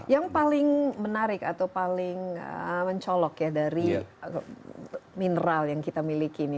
yang paling menarik atau paling mencolok ya dari mineral yang kita miliki ini